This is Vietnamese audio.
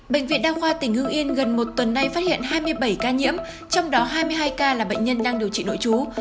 bệnh viện đa khoa tỉnh hưng yên gần một tuần nay phát hiện hai mươi bảy ca nhiễm trong đó hai mươi hai ca là bệnh nhân đang điều trị nội trú